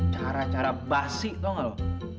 cara cara basi tahu nggak lo